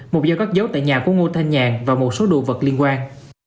một dao gắt dấu tại nhà của ngô thanh nhàn và một số đồ vật liên quan